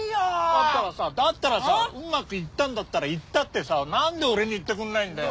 だったらさだったらさうまくいったんだったらいったってさなんで俺に言ってくんないんだよ。